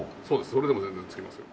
それでも全然つきますよ。